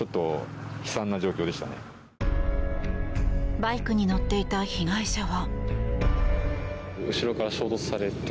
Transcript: バイクに乗っていた被害者は。